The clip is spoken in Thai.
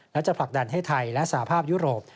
การให้ไทยและสภาพยุโรป